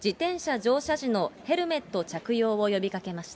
乗車時のヘルメット着用を呼びかけました。